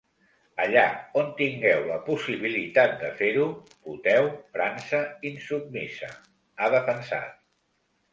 Allà on tingueu la possibilitat de fer-ho, voteu França Insubmisa, ha defensat.